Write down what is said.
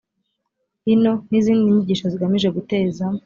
hino n izindi nyigisho zigamije guteza